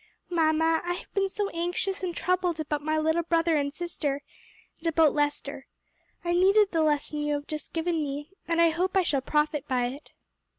"Mamma, I have been so anxious and troubled about my little brother and sister, and about Lester, I needed the lesson you have just given me, and hope I shall profit by it."